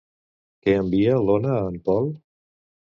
Què envia l'Ona a en Pol?